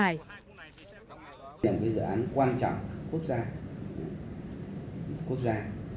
đây là một dự án quan trọng của quốc gia